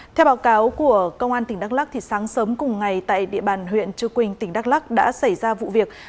theo báo cáo của công an tỉnh đắk lắk sáng sớm cùng ngày tại địa bàn huyện chư quynh tỉnh đắk lắk đã xảy ra vụ việc